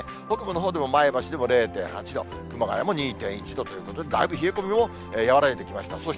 北部のほうでも前橋でも０．８度、熊谷も２．１度ということで、だいぶ冷え込みも和らいできました。